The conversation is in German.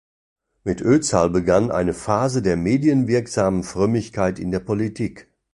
Mit Özal begann eine Phase der medienwirksamen Frömmigkeit in der Politik.